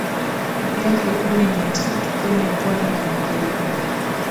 yake kumi na tatu kwenye pwani ya Amerika